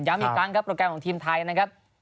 อีกครั้งครับโปรแกรมของทีมไทยนะครับ